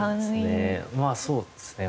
まあそうですね。